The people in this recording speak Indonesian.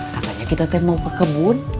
katanya kita tim mau ke kebun